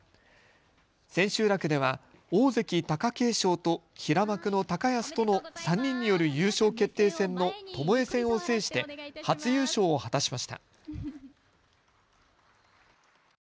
千秋楽では大関・貴景勝と平幕の高安との３人による優勝決定戦のともえ戦を制して初優勝を果たしました。